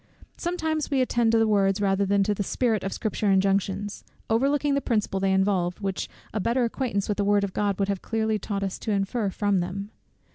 Sometimes we attend to the words rather than to the spirit of Scripture injunctions, overlooking the principle they involve, which a better acquaintance with the word of God would have clearly taught us to infer from them.